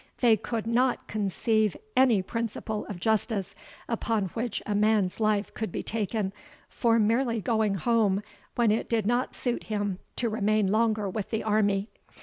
They could not conceive any principle of justice upon which a man's life could be taken, for merely going home when it did not suit him to remain longer with the army.